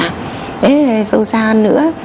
thế sâu xa nữa